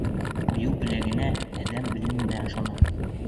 Айыу беләгенә, әҙәм белеменә ышана.